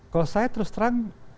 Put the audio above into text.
kalau saya terus terang